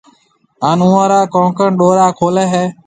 ھان اوئون را ڪونڪڻ ڏورا کوليَ ھيََََ